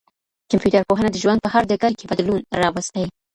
کمپيوټر پوهنه د ژوند په هر ډګر کي بدلون راوستی.